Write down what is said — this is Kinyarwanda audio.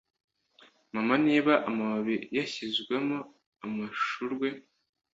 mama niba amababi yashizwemo Amashurwe